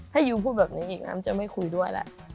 ถ้ายูพูดแบบนี้อีกอ้ำจะไม่คุยด้วยแหละ